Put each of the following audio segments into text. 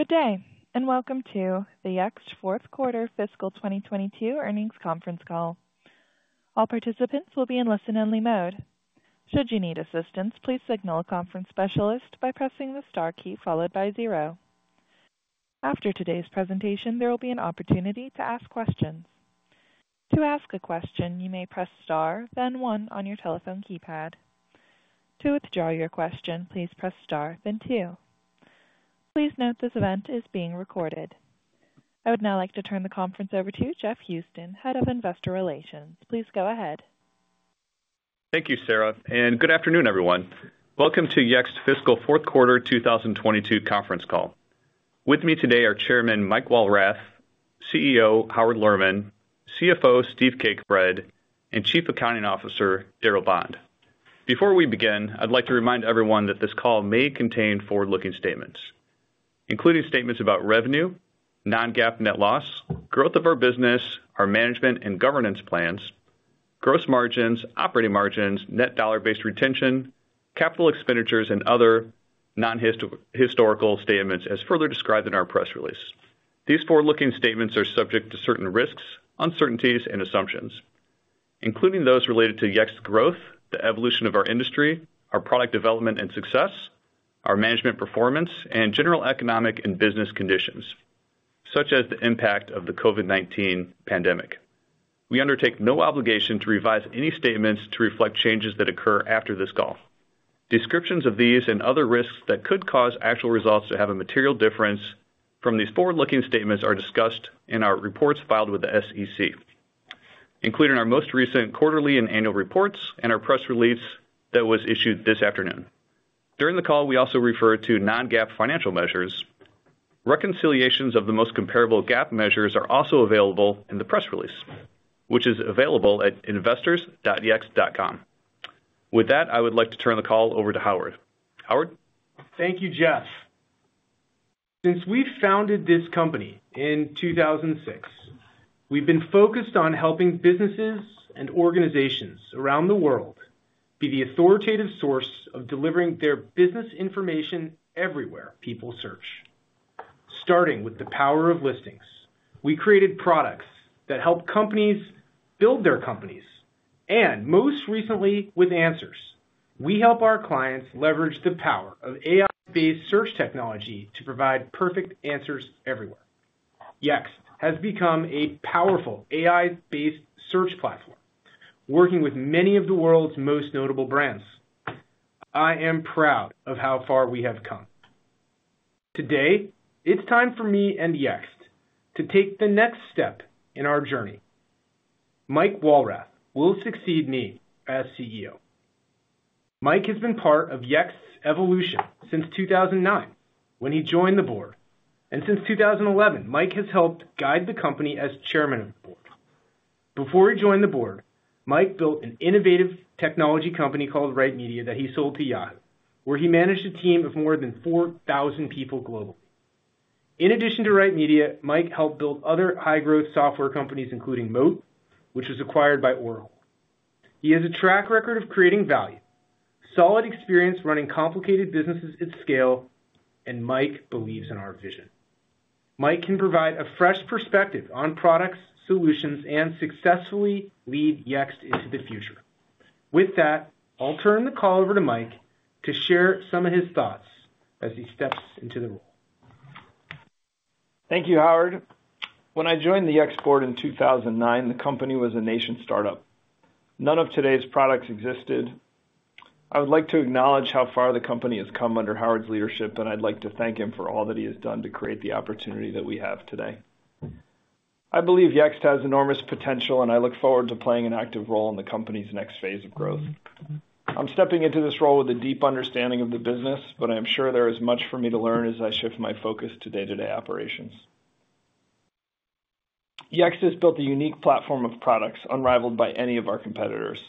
Good day, and welcome to the Yext Fourth Quarter Fiscal 2022 Earnings Conference Call. All participants will be in listen-only mode. Should you need assistance, please signal a conference specialist by pressing the star key followed by zero. After today's presentation, there will be an opportunity to ask questions. To ask a question, you may press star, then one on your telephone keypad. To withdraw your question, please press star, then two. Please note this event is being recorded. I would now like to turn the conference over to Jeff Houston, Head of Investor Relations. Please go ahead. Thank you, Sarah, and good afternoon, everyone. Welcome to Yext's fiscal fourth quarter 2022 conference call. With me today are Chairman Mike Walrath, CEO Howard Lerman, CFO Steve Cakebread, and Chief Accounting Officer Darryl Bond. Before we begin, I'd like to remind everyone that this call may contain forward-looking statements, including statements about revenue, non-GAAP net loss, growth of our business, our management and governance plans, gross margins, operating margins, net dollar-based retention, capital expenditures and other non-historical statements as further described in our press release. These forward-looking statements are subject to certain risks, uncertainties and assumptions, including those related to Yext's growth, the evolution of our industry, our product development and success, our management performance, and general economic and business conditions, such as the impact of the COVID-19 pandemic. We undertake no obligation to revise any statements to reflect changes that occur after this call. Descriptions of these and other risks that could cause actual results to have a material difference from these forward-looking statements are discussed in our reports filed with the SEC, including our most recent quarterly and annual reports and our press release that was issued this afternoon. During the call, we also refer to non-GAAP financial measures. Reconciliations of the most comparable GAAP measures are also available in the press release, which is available at investors.yext.com. With that, I would like to turn the call over to Howard. Howard? Thank you, Jeff. Since we founded this company in 2006, we've been focused on helping businesses and organizations around the world be the authoritative source of delivering their business information everywhere people search. Starting with the power of Listings, we created products that help companies build their companies. Most recently with Answers, we help our clients leverage the power of AI-based search technology to provide perfect answers everywhere. Yext has become a powerful AI-based search platform, working with many of the world's most notable brands. I am proud of how far we have come. Today, it's time for me and Yext to take the next step in our journey. Mike Walrath will succeed me as CEO. Mike has been part of Yext's evolution since 2009 when he joined the board. Since 2011, Mike has helped guide the company as chairman of the board. Before he joined the board, Mike built an innovative technology company called Right Media that he sold to Yahoo, where he managed a team of more than 4,000 people globally. In addition to Right Media, Mike helped build other high-growth software companies, including Moat, which was acquired by Oracle. He has a track record of creating value, solid experience running complicated businesses at scale, and Mike believes in our vision. Mike can provide a fresh perspective on products, solutions, and successfully lead Yext into the future. With that, I'll turn the call over to Mike to share some of his thoughts as he steps into the role. Thank you, Howard. When I joined the Yext board in 2009, the company was a nascent startup. None of today's products existed. I would like to acknowledge how far the company has come under Howard's leadership, and I'd like to thank him for all that he has done to create the opportunity that we have today. I believe Yext has enormous potential, and I look forward to playing an active role in the company's next phase of growth. I'm stepping into this role with a deep understanding of the business, but I'm sure there is much for me to learn as I shift my focus to day-to-day operations. Yext has built a unique platform of products unrivaled by any of our competitors.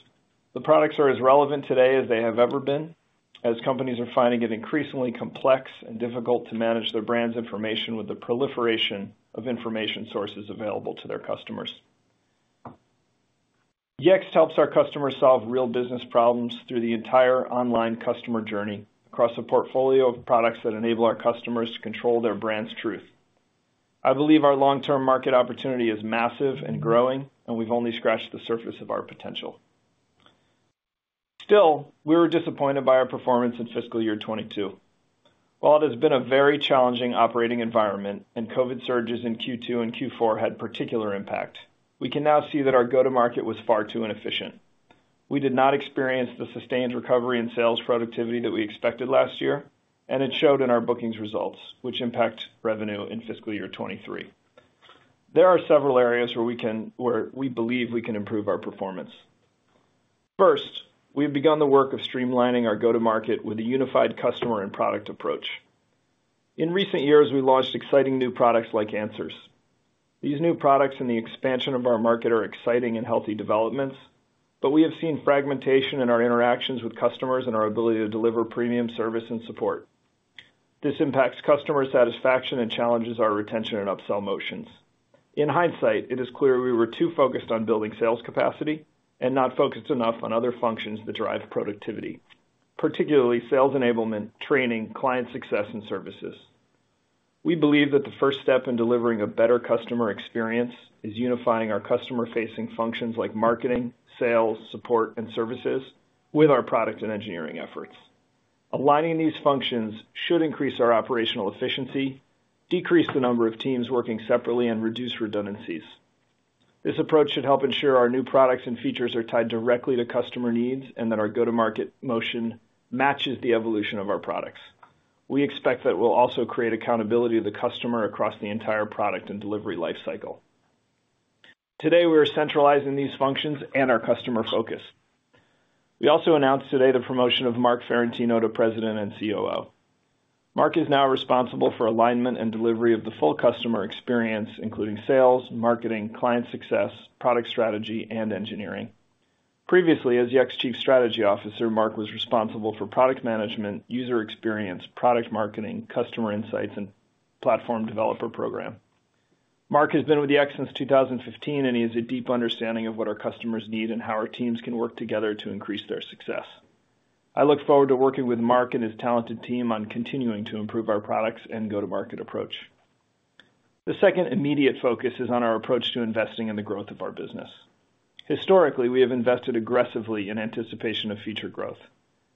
The products are as relevant today as they have ever been, as companies are finding it increasingly complex and difficult to manage their brand's information with the proliferation of information sources available to their customers. Yext helps our customers solve real business problems through the entire online customer journey across a portfolio of products that enable our customers to control their brand's truth. I believe our long-term market opportunity is massive and growing, and we've only scratched the surface of our potential. Still, we were disappointed by our performance in fiscal year 2022. While it has been a very challenging operating environment and COVID surges in Q2 and Q4 had particular impact, we can now see that our go-to-market was far too inefficient. We did not experience the sustained recovery in sales productivity that we expected last year, and it showed in our bookings results, which impact revenue in fiscal year 2023. There are several areas where we believe we can improve our performance. First, we've begun the work of streamlining our go-to-market with a unified customer and product approach. In recent years, we launched exciting new products like Answers. These new products and the expansion of our market are exciting and healthy developments, but we have seen fragmentation in our interactions with customers and our ability to deliver premium service and support. This impacts customer satisfaction and challenges our retention and upsell motions. In hindsight, it is clear we were too focused on building sales capacity and not focused enough on other functions that drive productivity, particularly sales enablement, training, client success and services. We believe that the first step in delivering a better customer experience is unifying our customer facing functions like marketing, sales, support and services with our product and engineering efforts. Aligning these functions should increase our operational efficiency, decrease the number of teams working separately and reduce redundancies. This approach should help ensure our new products and features are tied directly to customer needs and that our go-to-market motion matches the evolution of our products. We expect that we'll also create accountability of the customer across the entire product and delivery lifecycle. Today, we are centralizing these functions and our customer focus. We also announced today the promotion of Marc Ferrentino to President and COO. Marc Ferrentino is now responsible for alignment and delivery of the full customer experience, including sales, marketing, client success, product strategy and engineering. Previously, as Yext Chief Strategy Officer, Marc was responsible for product management, user experience, product marketing, customer insights, and platform developer program. Marc has been with Yext since 2015, and he has a deep understanding of what our customers need and how our teams can work together to increase their success. I look forward to working with Marc and his talented team on continuing to improve our products and go-to-market approach. The second immediate focus is on our approach to investing in the growth of our business. Historically, we have invested aggressively in anticipation of future growth.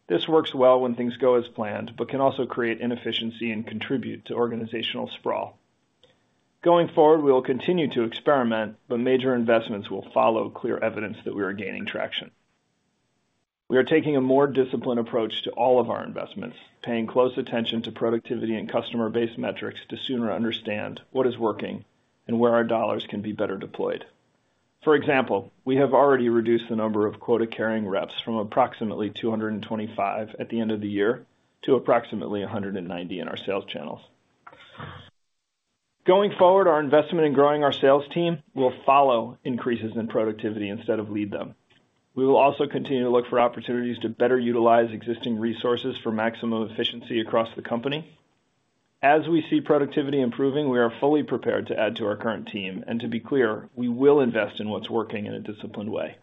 This works well when things go as planned, but can also create inefficiency and contribute to organizational sprawl. Going forward, we will continue to experiment, but major investments will follow clear evidence that we are gaining traction. We are taking a more disciplined approach to all of our investments, paying close attention to productivity and customer base metrics to sooner understand what is working and where our dollars can be better deployed. For example, we have already reduced the number of quota-carrying reps from approximately 225 at the end of the year to approximately 190 in our sales channels. Going forward, our investment in growing our sales team will follow increases in productivity instead of lead them. We will also continue to look for opportunities to better utilize existing resources for maximum efficiency across the company. As we see productivity improving, we are fully prepared to add to our current team. To be clear, we will invest in what's working in a disciplined way.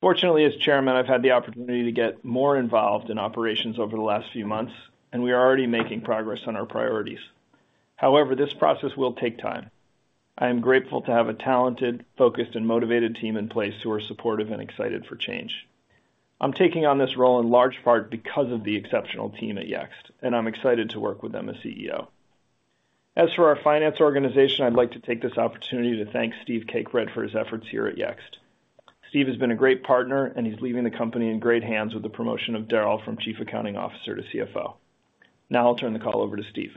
Fortunately, as Chairman, I've had the opportunity to get more involved in operations over the last few months and we are already making progress on our priorities. However, this process will take time. I am grateful to have a talented, focused, and motivated team in place who are supportive and excited for change. I'm taking on this role in large part because of the exceptional team at Yext, and I'm excited to work with them as CEO. As for our finance organization, I'd like to take this opportunity to thank Steve Cakebread for his efforts here at Yext. Steve has been a great partner and he's leaving the company in great hands with the promotion of Darryl from Chief Accounting Officer to CFO. Now I'll turn the call over to Steve.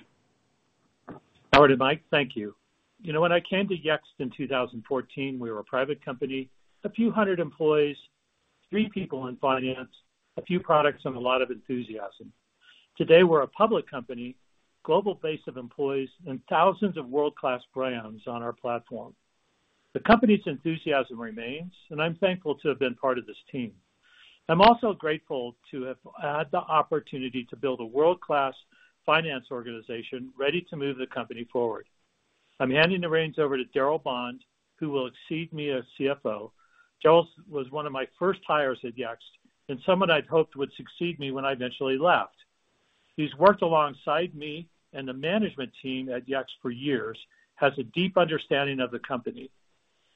Howard and Mike, thank you. You know, when I came to Yext in 2014, we were a private company, a few hundred employees, three people in finance, a few products and a lot of enthusiasm. Today, we're a public company, global base of employees and thousands of world-class brands on our platform. The company's enthusiasm remains, and I'm thankful to have been part of this team. I'm also grateful to have had the opportunity to build a world-class finance organization ready to move the company forward. I'm handing the reins over to Darryl Bond, who will succeed me as CFO. Darryl was one of my first hires at Yext and someone I'd hoped would succeed me when I eventually left. He's worked alongside me and the management team at Yext for years, has a deep understanding of the company.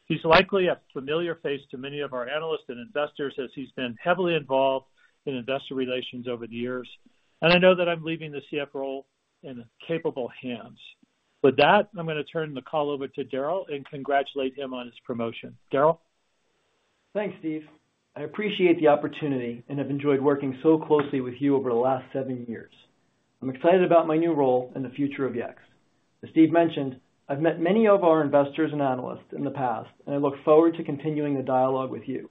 He's likely a familiar face to many of our analysts and investors, as he's been heavily involved in investor relations over the years. I know that I'm leaving the CFO role in capable hands. With that, I'm gonna turn the call over to Darryl and congratulate him on his promotion. Darryl? Thanks, Steve. I appreciate the opportunity and have enjoyed working so closely with you over the last seven years. I'm excited about my new role and the future of Yext. As Steve mentioned, I've met many of our investors and analysts in the past, and I look forward to continuing the dialogue with you.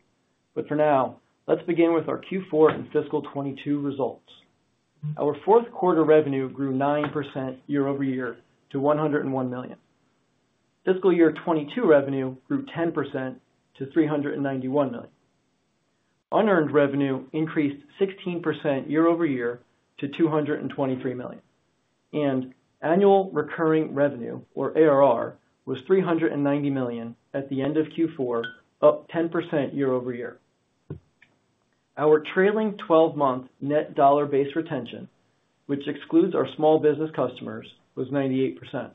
For now, let's begin with our Q4 and fiscal 2022 results. Our fourth quarter revenue grew 9% year-over-year to $101 million. Fiscal year 2022 revenue grew 10% to $391 million. Unearned revenue increased 16% year-over-year to $223 million. Annual recurring revenue, or ARR, was $390 million at the end of Q4, up 10% year-over-year. Our trailing twelve-month net dollar-based retention, which excludes our small business customers, was 98%.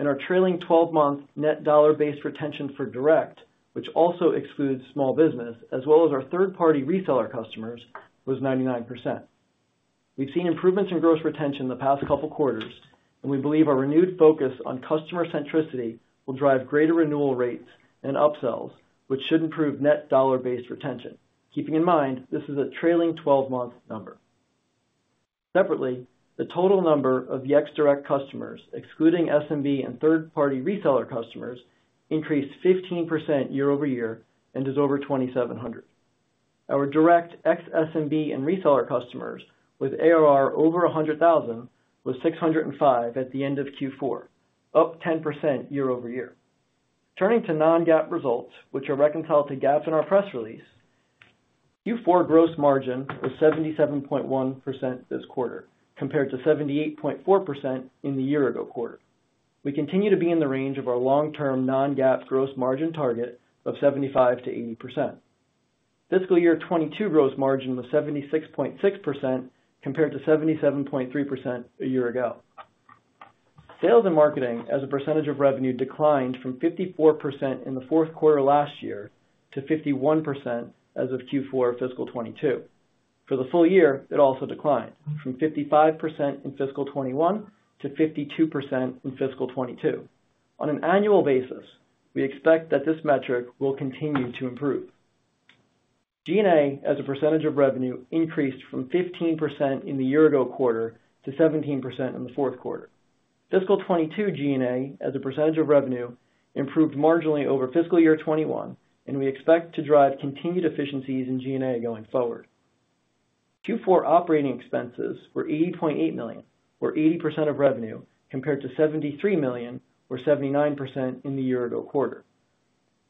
Our trailing twelve-month net dollar-based retention for direct, which also excludes small business, as well as our third-party reseller customers, was 99%. We've seen improvements in gross retention the past couple quarters, and we believe our renewed focus on customer centricity will drive greater renewal rates and upsells, which should improve net dollar-based retention. Keeping in mind, this is a trailing twelve-month number. Separately, the total number of Yext direct customers, excluding SMB and third-party reseller customers, increased 15% year-over-year and is over 2,700. Our direct ex-SMB and reseller customers with ARR over 100,000 was 605 at the end of Q4, up 10% year-over-year. Turning to non-GAAP results, which are reconciled to GAAP in our press release. Q4 gross margin was 77.1% this quarter compared to 78.4% in the year-ago quarter. We continue to be in the range of our long-term non-GAAP gross margin target of 75%-80%. FY 2022 gross margin was 76.6% compared to 77.3% a year ago. Sales and marketing as a percentage of revenue declined from 54% in the fourth quarter last year to 51% as of Q4 FY 2022. For the full year, it also declined from 55% in FY 2021 to 52% in FY 2022. On an annual basis, we expect that this metric will continue to improve. G&A as a percentage of revenue increased from 15% in the year-ago quarter to 17% in the fourth quarter. Fiscal 2022 G&A as a percentage of revenue improved marginally over fiscal year 2021, and we expect to drive continued efficiencies in G&A going forward. Q4 operating expenses were $80.8 million or 80% of revenue compared to $73 million or 79% in the year-ago quarter.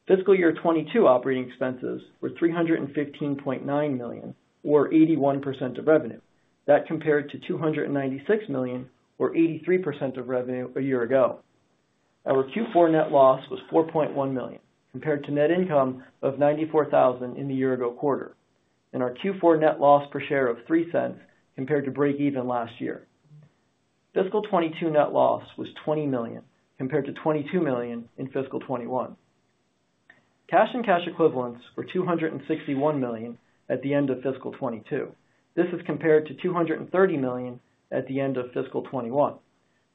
Fiscal year 2022 operating expenses were $315.9 million or 81% of revenue. That compared to $296 million or 83% of revenue a year ago. Our Q4 net loss was $4.1 million, compared to net income of $94,000 in the year-ago quarter, and our Q4 net loss per share of $0.03 compared to breakeven last year. Fiscal 2022 net loss was $20 million, compared to $22 million in fiscal 2021. Cash and cash equivalents were $261 million at the end of fiscal 2022. This is compared to $230 million at the end of fiscal 2021.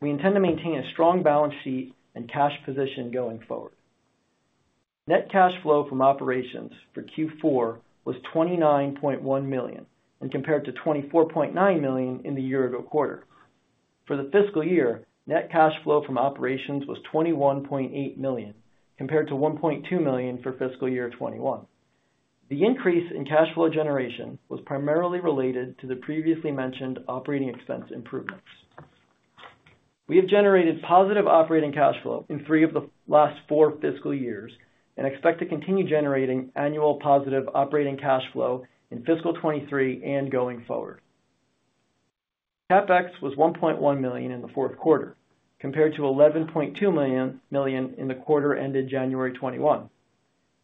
We intend to maintain a strong balance sheet and cash position going forward. Net cash flow from operations for Q4 was $29.1 million and compared to $24.9 million in the year ago quarter. For the fiscal year, net cash flow from operations was $21.8 million, compared to $1.2 million for fiscal year 2021. The increase in cash flow generation was primarily related to the previously mentioned operating expense improvements. We have generated positive operating cash flow in three of the last four fiscal years and expect to continue generating annual positive operating cash flow in fiscal 2023 and going forward. CapEx was $1.1 million in the fourth quarter, compared to $11.2 million in the quarter ended January 2021.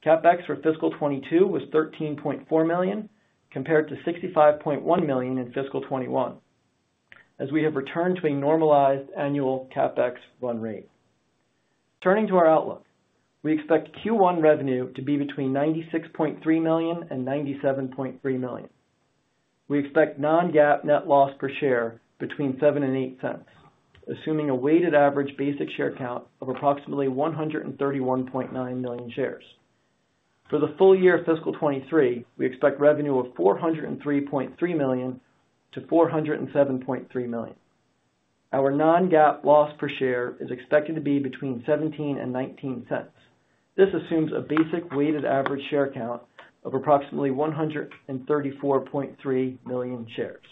CapEx for fiscal 2022 was $13.4 million, compared to $65.1 million in fiscal 2021, as we have returned to a normalized annual CapEx run rate. Turning to our outlook. We expect Q1 revenue to be between $96.3 million and $97.3 million. We expect non-GAAP net loss per share between $0.07 and $0.08, assuming a weighted average basic share count of approximately 131.9 million shares. For the full year fiscal 2023, we expect revenue of $403.3 million to $407.3 million. Our non-GAAP loss per share is expected to be between $0.17 and $0.19. This assumes a basic weighted average share count of approximately 134.3 million shares.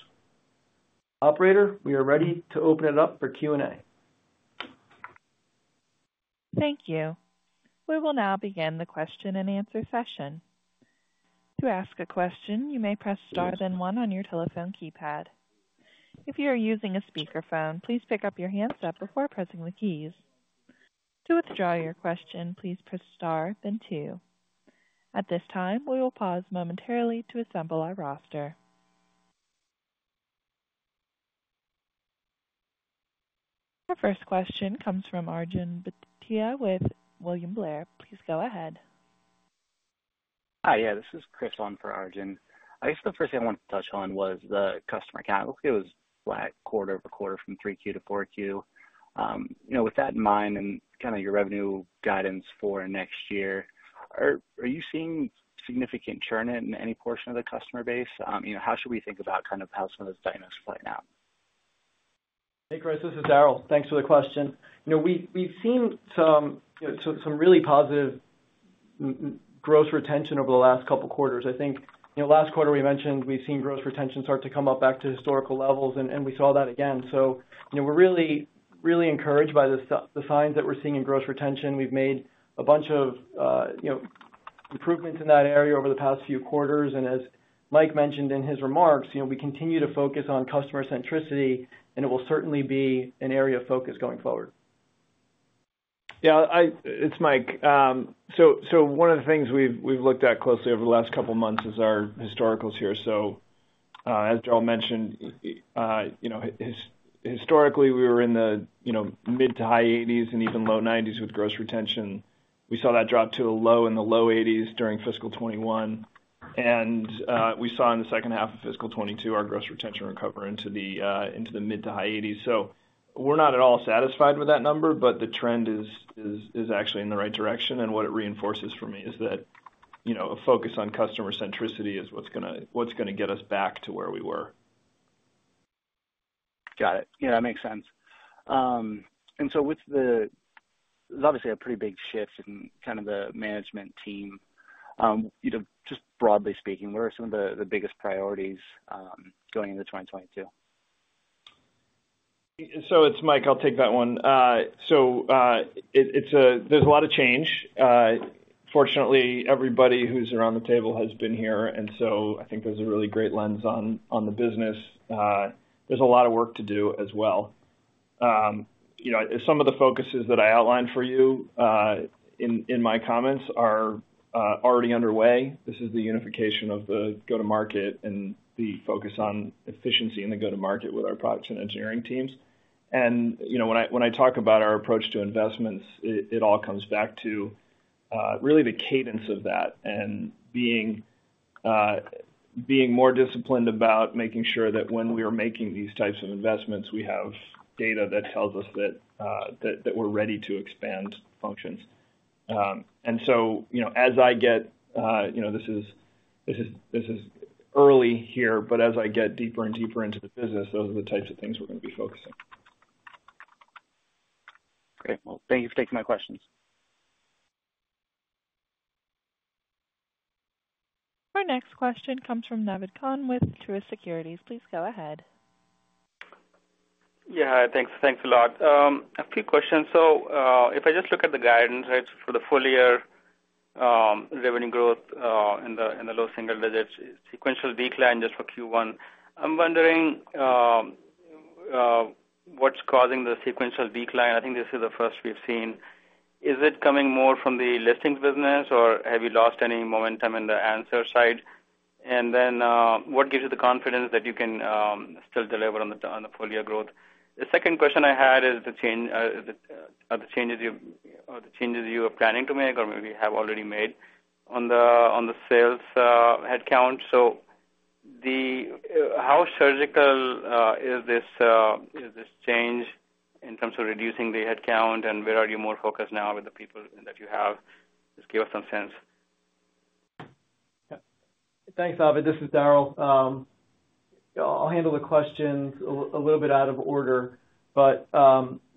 Operator, we are ready to open it up for Q&A. Thank you. We will now begin the question-and-answer session. To ask a question, you may press star then one on your telephone keypad. If you are using a speakerphone, please pick up your handset before pressing the keys. To withdraw your question, please press star then two. At this time, we will pause momentarily to assemble our roster. Our first question comes from Arjun Bhatia with William Blair. Please go ahead. Hi. Yeah, this is Chris on for Arjun. I guess the first thing I wanted to touch on was the customer count. It looks like it was flat quarter over quarter from 3Q to 4Q. You know, with that in mind and kinda your revenue guidance for next year, are you seeing significant churn in any portion of the customer base? You know, how should we think about kind of how some of this dynamics play out? Hey, Chris, this is Darryl. Thanks for the question. You know, we've seen some, you know, really positive gross retention over the last couple quarters. I think, you know, last quarter we mentioned we've seen gross retention start to come up back to historical levels, and we saw that again. You know, we're really encouraged by the signs that we're seeing in gross retention. We've made a bunch of, you know, improvements in that area over the past few quarters. As Mike mentioned in his remarks, you know, we continue to focus on customer centricity, and it will certainly be an area of focus going forward. It's Mike. One of the things we've looked at closely over the last couple months is our historicals here. As Darryl mentioned, you know, historically, we were in the mid- to high 80s% and even low 90s% with gross retention. We saw that drop to a low in the low 80s% during fiscal 2021. We saw in the second half of fiscal 2022, our gross retention recover into the mid- to high 80s%. We're not at all satisfied with that number, but the trend is actually in the right direction. What it reinforces for me is that, you know, a focus on customer centricity is what's gonna get us back to where we were. Got it. Yeah, that makes sense. There's obviously a pretty big shift in kind of the management team. You know, just broadly speaking, what are some of the biggest priorities going into 2022? It's Mike, I'll take that one. There's a lot of change. Fortunately, everybody who's around the table has been here, and so I think there's a really great lens on the business. There's a lot of work to do as well. You know, some of the focuses that I outlined for you in my comments are already underway. This is the unification of the go-to-market and the focus on efficiency in the go-to-market with our products and engineering teams. You know, when I talk about our approach to investments, it all comes back to really the cadence of that and being more disciplined about making sure that when we are making these types of investments, we have data that tells us that that we're ready to expand functions. You know, as I get deeper and deeper into the business, those are the types of things we're gonna be focusing. Great. Well, thank you for taking my questions. Our next question comes from Naved Khan with Truist Securities. Please go ahead. Yeah, thanks. Thanks a lot. A few questions. If I just look at the guidance, right, for the full year, revenue growth in the low single digits, sequential decline just for Q1. I'm wondering, what's causing the sequential decline. I think this is the first we've seen. Is it coming more from the Listings business, or have you lost any momentum in the Answers side? And then, what gives you the confidence that you can still deliver on the full year growth? The second question I had is the changes you are planning to make or maybe have already made on the sales headcount. How surgical is this change in terms of reducing the headcount, and where are you more focused now with the people that you have? Just give us some sense. Thanks, Naved. This is Darryl. I'll handle the questions a little bit out of order, but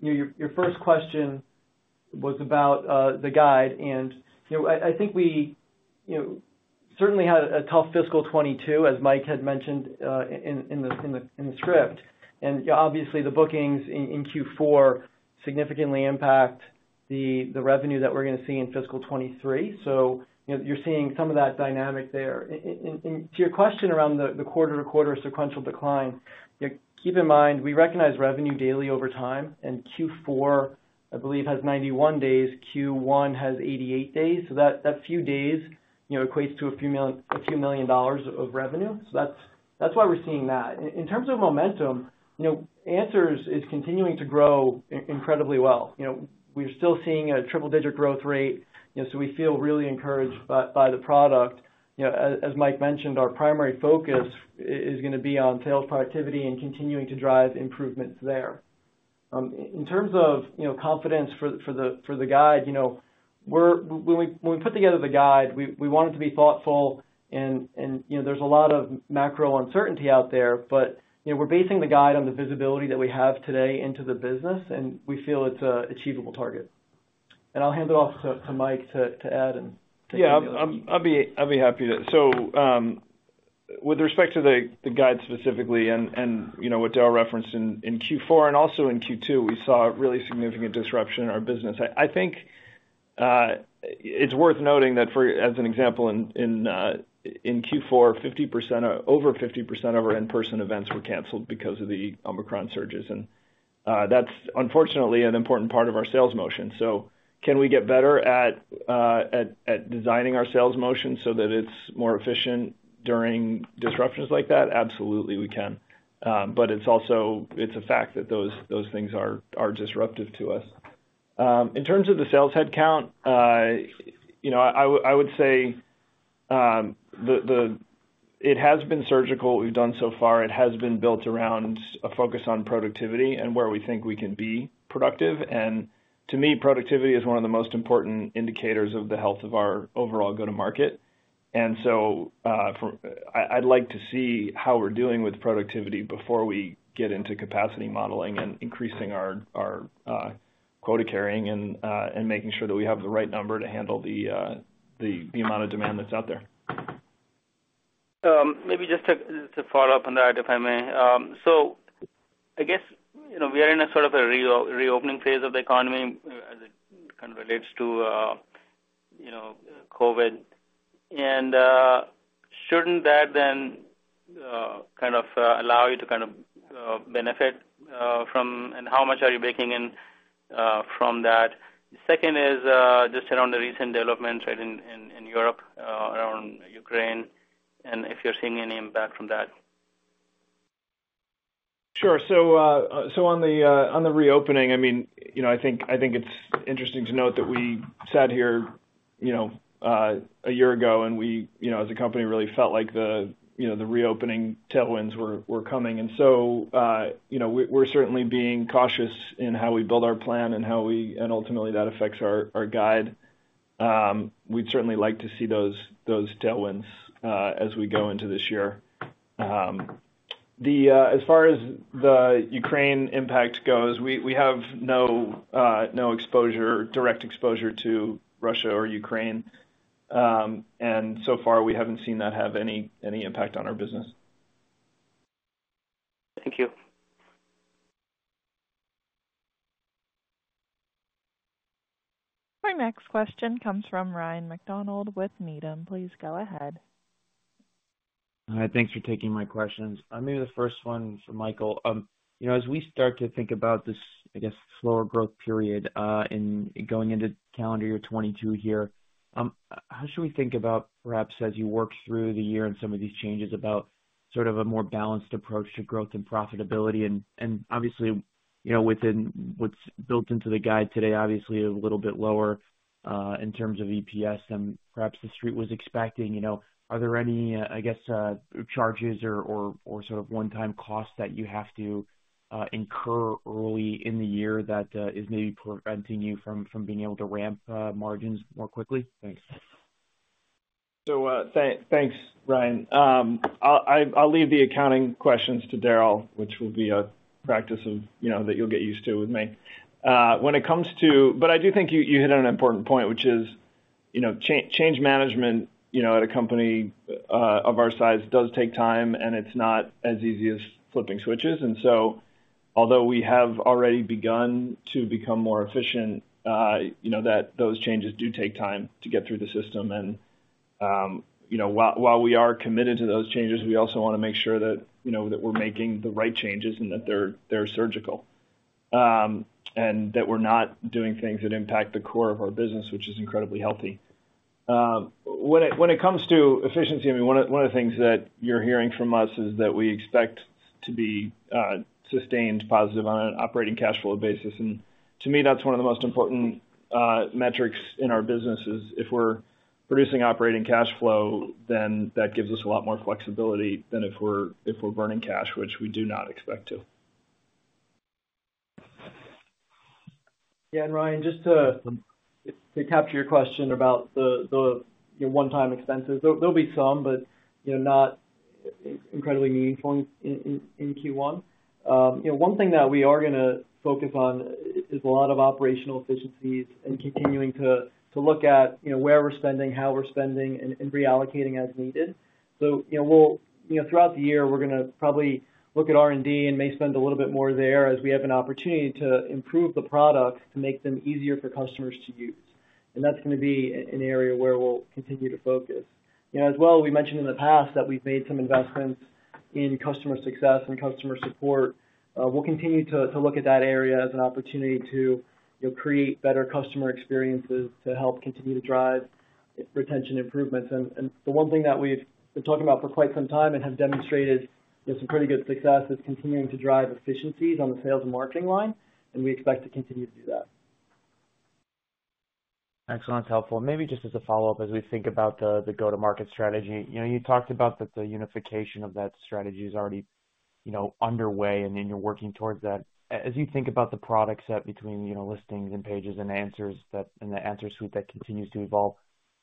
you know, your first question was about the guide, and you know, I think we certainly had a tough FY 2022, as Mike had mentioned in the script. Obviously the bookings in Q4 significantly impact the revenue that we're gonna see in FY 2023. You know, you're seeing some of that dynamic there. To your question around the quarter-to-quarter sequential decline, keep in mind, we recognize revenue daily over time, and Q4, I believe, has 91 days, Q1 has 88 days. That few days you know equates to a few million dollars of revenue. That's why we're seeing that. In terms of momentum, you know, Answers is continuing to grow incredibly well. You know, we're still seeing a triple-digit growth rate, you know, so we feel really encouraged by the product. You know, as Mike mentioned, our primary focus is gonna be on sales productivity and continuing to drive improvements there. In terms of confidence for the guide, you know, when we put together the guide, we wanted to be thoughtful and, you know, there's a lot of macro uncertainty out there. You know, we're basing the guide on the visibility that we have today into the business, and we feel it's a achievable target. I'll hand it off to Mike to add and take any other. Yeah. I'll be happy to. With respect to the guide specifically and you know what Darryl referenced in Q4 and also in Q2, we saw a really significant disruption in our business. I think it's worth noting that, for example, in Q4, over 50% of our in-person events were canceled because of the Omicron surges. That's unfortunately an important part of our sales motion. Can we get better at designing our sales motion so that it's more efficient during disruptions like that? Absolutely, we can. It's also a fact that those things are disruptive to us. In terms of the sales headcount, you know, I would say it has been surgical what we've done so far. It has been built around a focus on productivity and where we think we can be productive. To me, productivity is one of the most important indicators of the health of our overall go-to-market. I'd like to see how we're doing with productivity before we get into capacity modeling and increasing our quota carrying and making sure that we have the right number to handle the amount of demand that's out there. Maybe just a follow-up on that, if I may. So I guess, you know, we are in a sort of a reopening phase of the economy as it kind of relates to, you know, COVID. Shouldn't that then kind of allow you to kind of benefit from, and how much are you baking in from that? Second is just around the recent developments right in Europe around Ukraine, and if you're seeing any impact from that. Sure. On the reopening, I mean, you know, I think it's interesting to note that we sat here, you know, a year ago, and we, you know, as a company, really felt like the, you know, the reopening tailwinds were coming. You know, we're certainly being cautious in how we build our plan and ultimately that affects our guide. We'd certainly like to see those tailwinds as we go into this year. As far as the Ukraine impact goes, we have no direct exposure to Russia or Ukraine. So far, we haven't seen that have any impact on our business. Thank you. Our next question comes from Ryan MacDonald with Needham. Please go ahead. Hi. Thanks for taking my questions. Maybe the first one is for Mike. You know, as we start to think about this, I guess, slower growth period, going into calendar year 2022 here, how should we think about perhaps as you work through the year and some of these changes about sort of a more balanced approach to growth and profitability and obviously, you know, within what's built into the guide today, obviously a little bit lower in terms of EPS than perhaps The Street was expecting. You know, are there any, I guess, charges or sort of one-time costs that you have to incur early in the year that is maybe preventing you from being able to ramp margins more quickly? Thanks. Thanks, Ryan. I'll leave the accounting questions to Darryl, which will be a practice of, you know, that you'll get used to with me. I do think you hit on an important point, which is, you know, change management, you know, at a company of our size does take time, and it's not as easy as flipping switches. Although we have already begun to become more efficient, you know, those changes do take time to get through the system. You know, while we are committed to those changes, we also wanna make sure that, you know, that we're making the right changes and that they're surgical. That we're not doing things that impact the core of our business, which is incredibly healthy. When it comes to efficiency, I mean, one of the things that you're hearing from us is that we expect to be sustained positive on an operating cash flow basis. To me, that's one of the most important metrics in our business is if we're producing operating cash flow, then that gives us a lot more flexibility than if we're burning cash, which we do not expect to. Yeah. Ryan, just to capture your question about the you know, one-time expenses. There'll be some, but you know, not incredibly meaningful in Q1. You know, one thing that we are gonna focus on is a lot of operational efficiencies and continuing to look at you know, where we're spending, how we're spending and reallocating as needed. You know, throughout the year, we're gonna probably look at R&D and may spend a little bit more there as we have an opportunity to improve the products to make them easier for customers to use. That's gonna be an area where we'll continue to focus. You know, as well, we mentioned in the past that we've made some investments in customer success and customer support. We'll continue to look at that area as an opportunity to, you know, create better customer experiences to help continue to drive retention improvements. The one thing that we've been talking about for quite some time and have demonstrated with some pretty good success is continuing to drive efficiencies on the sales and marketing line, and we expect to continue to do that. Excellent. Helpful. Maybe just as a follow-up, as we think about the go-to-market strategy. You know, you talked about that the unification of that strategy is already, you know, underway, and then you're working towards that. As you think about the product set between, you know, Listings and Pages and Answers that and the answer suite that continues to evolve,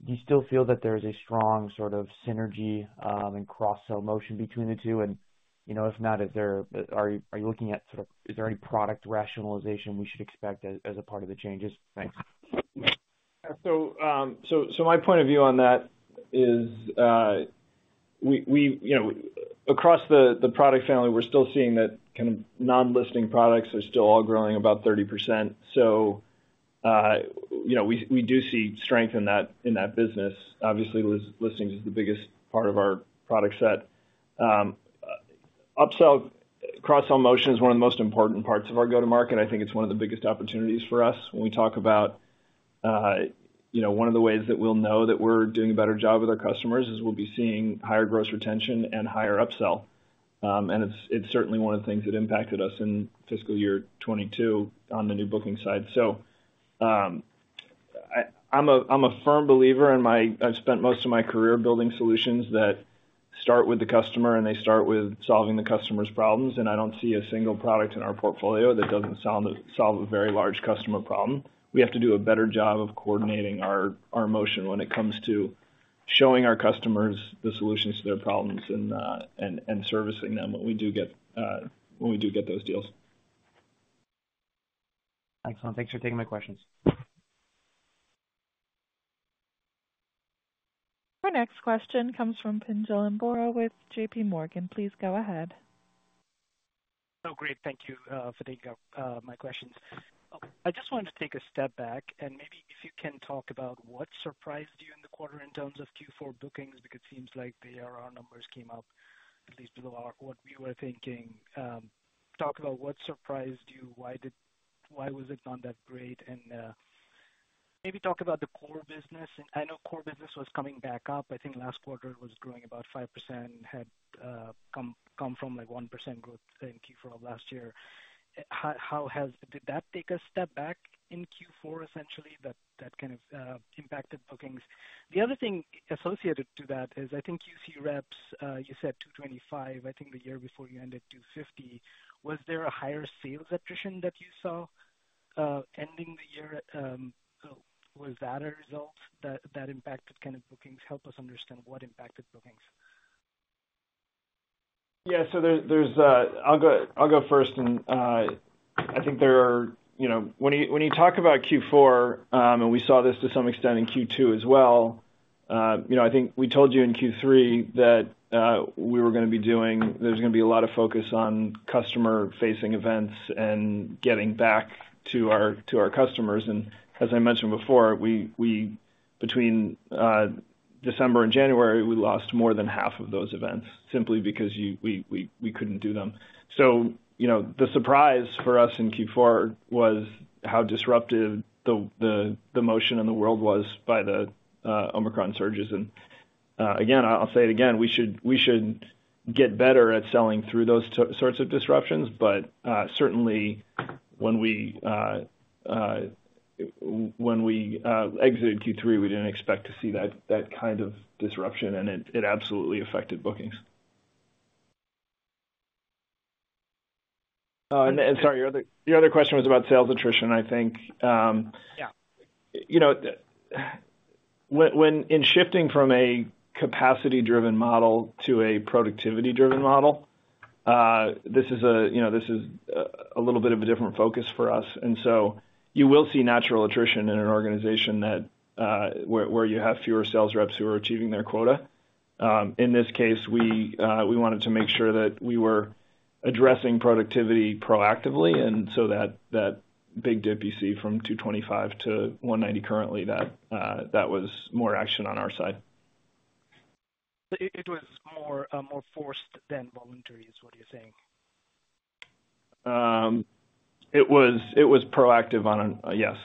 do you still feel that there's a strong sort of synergy and cross-sell motion between the two? You know, if not, are you looking at is there any product rationalization we should expect as a part of the changes? Thanks. My point of view on that is, we you know across the product family, we're still seeing that kind of non-listing products are still all growing about 30%. You know, we do see strength in that business. Obviously, Listings is the biggest part of our product set. Upsell cross-sell motion is one of the most important parts of our go-to-market. I think it's one of the biggest opportunities for us when we talk about, you know, one of the ways that we'll know that we're doing a better job with our customers is we'll be seeing higher gross retention and higher upsell. It's certainly one of the things that impacted us in fiscal year 2022 on the new booking side. I'm a firm believer. I've spent most of my career building solutions that start with the customer, and they start with solving the customer's problems. I don't see a single product in our portfolio that doesn't solve a very large customer problem. We have to do a better job of coordinating our motion when it comes to showing our customers the solutions to their problems and servicing them when we get those deals. Excellent. Thanks for taking my questions. Our next question comes from Pinjalim Bora with JPMorgan. Please go ahead. Oh, great. Thank you for taking my questions. I just wanted to take a step back, and maybe if you can talk about what surprised you in the quarter in terms of Q4 bookings, because it seems like the ARR numbers came up at least below our what we were thinking. Talk about what surprised you. Why was it not that great? Maybe talk about the core business. I know core business was coming back up. I think last quarter it was growing about 5%, had come from like 1% growth in Q4 of last year. Did that take a step back in Q4, essentially, that kind of impacted bookings? The other thing associated to that is I think you see reps, you said 225. I think the year before you ended 250. Was there a higher sales attrition that you saw ending the year? Was that a result that impacted kind of bookings? Help us understand what impacted bookings. Yeah. I'll go first. You know, when you talk about Q4, and we saw this to some extent in Q2 as well, you know, I think we told you in Q3 that there's gonna be a lot of focus on customer-facing events and getting back to our customers. As I mentioned before, between December and January, we lost more than half of those events simply because we couldn't do them. You know, the surprise for us in Q4 was how disruptive the motion in the world was by the Omicron surges. Again, I'll say it again, we should get better at selling through those sorts of disruptions, but certainly when we exited Q3, we didn't expect to see that kind of disruption, and it absolutely affected bookings. Oh, sorry, your other question was about sales attrition, I think. Yeah. You know, when shifting from a capacity-driven model to a productivity-driven model, this is a little bit of a different focus for us. You will see natural attrition in an organization that where you have fewer sales reps who are achieving their quota. In this case, we wanted to make sure that we were addressing productivity proactively, and that big dip you see from 225 to 190 currently, that was more action on our side. It was more forced than voluntary, is what you're saying? It was proactive. Yes.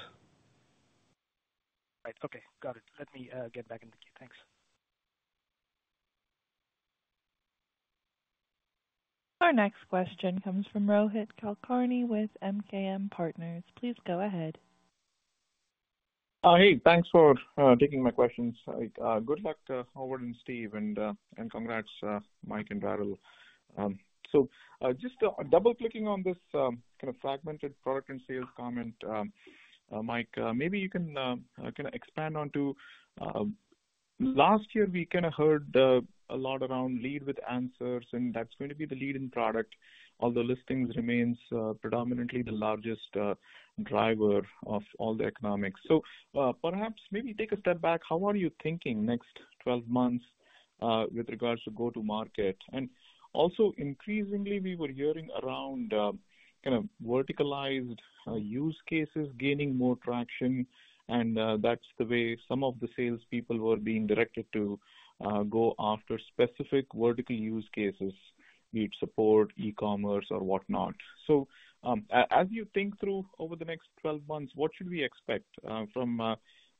Right. Okay. Got it. Let me get back in the queue. Thanks. Our next question comes from Rohit Kulkarni with MKM Partners. Please go ahead. Hey, thanks for taking my questions. Good luck, Howard and Steve, and congrats, Mike and Darryl. Just double-clicking on this kind of fragmented product and sales comment, Mike, maybe you can kinda expand onto last year, we kinda heard a lot around Lead with Answers, and that's going to be the leading product, although Listings remains predominantly the largest driver of all the economics. Perhaps maybe take a step back, how are you thinking next 12 months with regards to go-to-market? Also, increasingly, we were hearing around kind of verticalized use cases gaining more traction, and that's the way some of the salespeople were being directed to go after specific vertical use cases, need support, e-commerce or whatnot. As you think through over the next 12 months, what should we expect from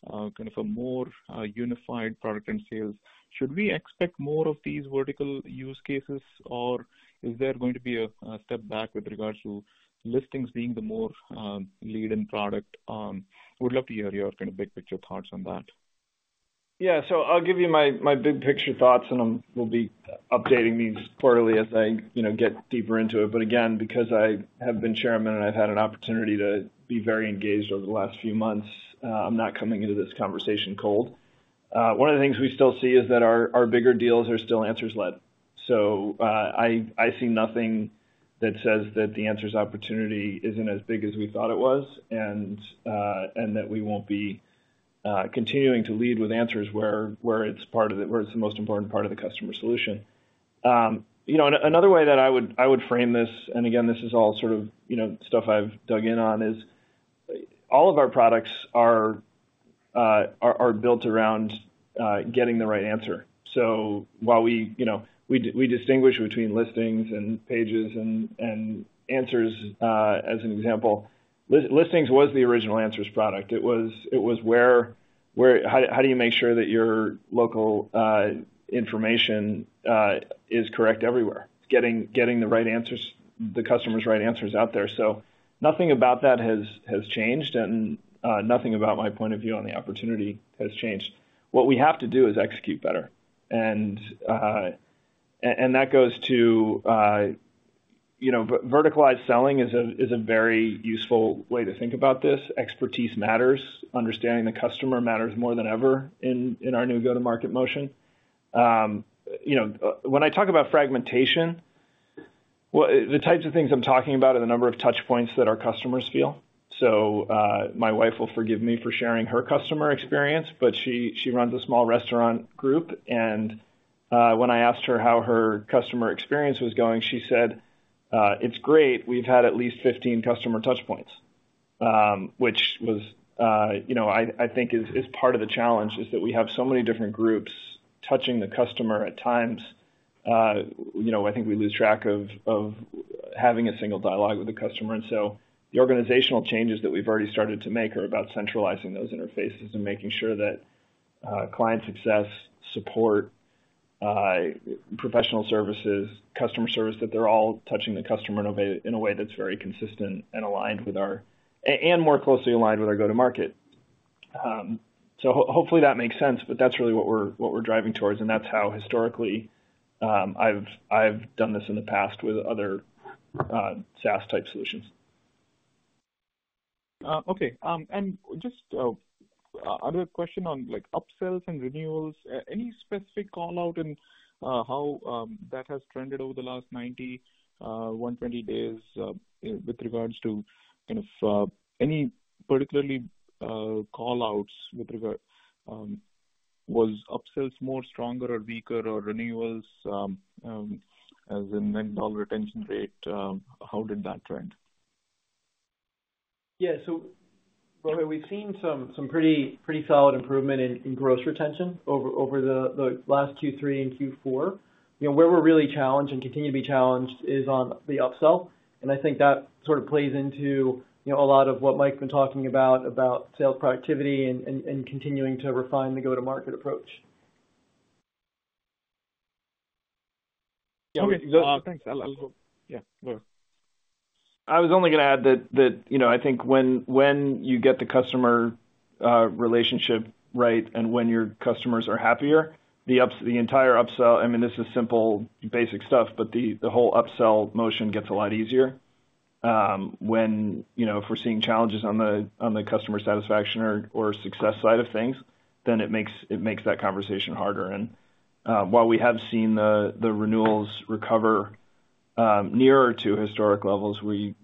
kind of a more unified product and sales? Should we expect more of these vertical use cases, or is there going to be a step back with regards to Listings being the more lead-in product? Would love to hear your kind of big picture thoughts on that. I'll give you my big picture thoughts, and we'll be updating these quarterly as I, you know, get deeper into it. Again, because I have been Chairman and I've had an opportunity to be very engaged over the last few months, I'm not coming into this conversation cold. One of the things we still see is that our bigger deals are still Answers-led. I see nothing that says that the Answers opportunity isn't as big as we thought it was and that we won't be continuing to lead with Answers where it's the most important part of the customer solution. You know, another way that I would frame this, and again, this is all sort of, you know, stuff I've dug in on, is all of our products are built around getting the right answer. So while we, you know, we distinguish between Listings and Pages and Answers, as an example, Listings was the original Answers product. It was where, how do you make sure that your local information is correct everywhere? Getting the right answers, the customer's right answers out there. So nothing about that has changed and nothing about my point of view on the opportunity has changed. What we have to do is execute better. That goes to, you know, verticalized selling is a very useful way to think about this. Expertise matters. Understanding the customer matters more than ever in our new go-to-market motion. You know, when I talk about fragmentation, well, the types of things I'm talking about are the number of touch points that our customers feel. My wife will forgive me for sharing her customer experience, but she runs a small restaurant group, and when I asked her how her customer experience was going, she said, "It's great. We've had at least 15 customer touch points." Which was, you know, I think it is part of the challenge, that we have so many different groups touching the customer at times. You know, I think we lose track of having a single dialogue with the customer. The organizational changes that we've already started to make are about centralizing those interfaces and making sure that client success, support, professional services, customer service, that they're all touching the customer in a way that's very consistent and more closely aligned with our go-to-market. Hopefully that makes sense, but that's really what we're driving towards, and that's how historically I've done this in the past with other SaaS-type solutions. Just other question on like upsells and renewals. Any specific call out in how that has trended over the last 90-120 days with regards to kind of any particular call-outs with regard was upsells more stronger or weaker or renewals as in net dollar retention rate, how did that trend? Yeah. Rohit, we've seen some pretty solid improvement in gross retention over the last Q3 and Q4. You know, where we're really challenged and continue to be challenged is on the upsell. I think that sort of plays into, you know, a lot of what Mike been talking about sales productivity and continuing to refine the go-to-market approach. Okay. Thanks a lot. Yeah. I was only gonna add that, you know, I think when you get the customer relationship right, and when your customers are happier, the entire upsell, I mean, this is simple, basic stuff, but the whole upsell motion gets a lot easier. When, you know, if we're seeing challenges on the customer satisfaction or success side of things, then it makes that conversation harder. While we have seen the renewals recover nearer to historic levels, we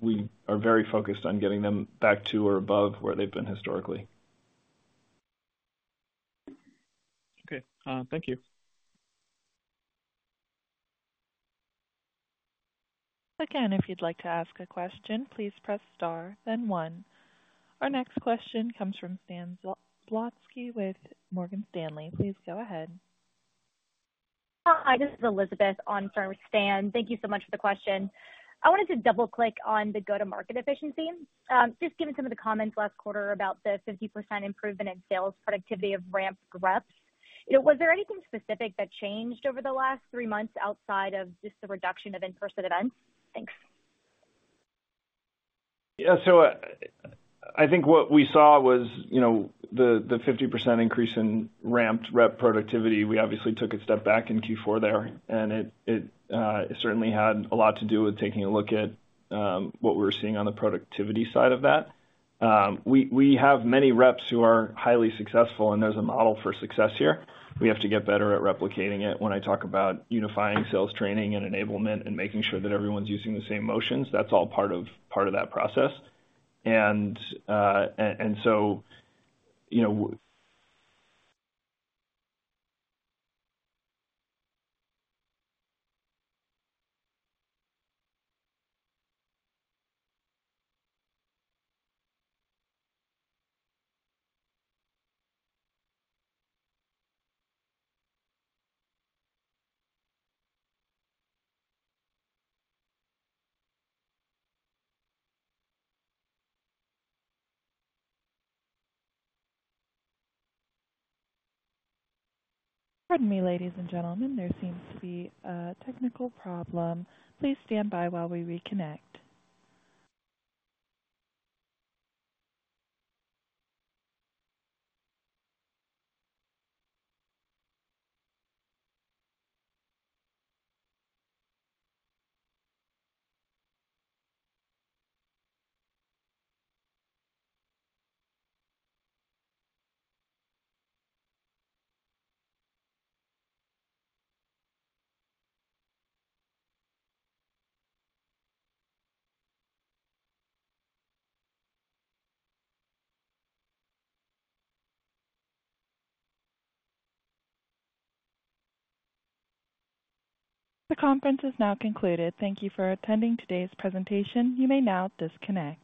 are very focused on getting them back to or above where they've been historically. Okay. Thank you. Again, if you'd like to ask a question, please press star then one. Our next question comes from Stan Zlotsky with Morgan Stanley. Please go ahead. Hi, this is Elizabeth on the phone with Stan. Thank you so much for the question. I wanted to double-click on the go-to-market efficiency. Just given some of the comments last quarter about the 50% improvement in sales productivity of ramped reps, you know, was there anything specific that changed over the last three months outside of just the reduction of in-person events? Thanks. Yeah. I think what we saw was, you know, the 50% increase in ramped rep productivity. We obviously took a step back in Q4 there, and it certainly had a lot to do with taking a look at what we're seeing on the productivity side of that. We have many reps who are highly successful, and there's a model for success here. We have to get better at replicating it. When I talk about unifying sales training and enablement and making sure that everyone's using the same motions, that's all part of that process. You know. Pardon me, ladies and gentlemen, there seems to be a technical problem. Please stand by while we reconnect. The conference is now concluded. Thank you for attending today's presentation. You may now disconnect.